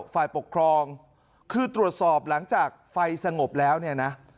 ฝ่ายปกครองคือตรวจสอบหลังจากไฟสงบแล้วเนี่ยนะ